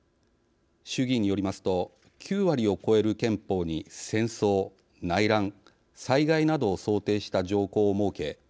衆議院によりますと９割を超える憲法に戦争、内乱、災害などを想定した条項を設け